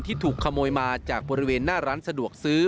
ถูกขโมยมาจากบริเวณหน้าร้านสะดวกซื้อ